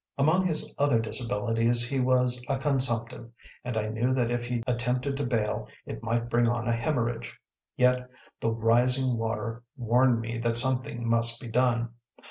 Among his other disabilities, he was a consumptive, and I knew that if he attempted to bail, it might bring on a hemorrhage. Yet the rising water warned me that something must be done.